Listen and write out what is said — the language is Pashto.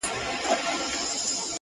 • له مطربه سره نسته نوی شرنګ نوي سورونه,